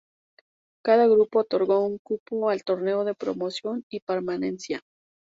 Cada grupo otorgó un cupo al Torneo de Promoción y Permanencia.